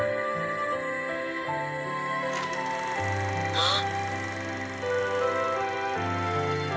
あっ！